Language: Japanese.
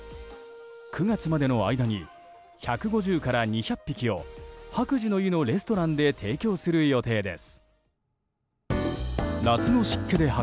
９月までの間に１５０から２００匹を白寿の湯のレストランで提供する予定です。